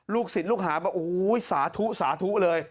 ศิลปลูกหาบอกโอ้โหสาธุสาธุเลย